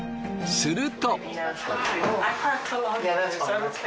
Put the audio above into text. すると。